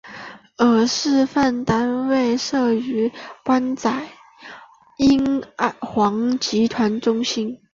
而示范单位设于湾仔英皇集团中心。